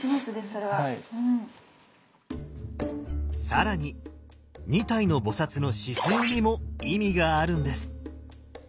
更に２体の菩の姿勢にも意味があるんです。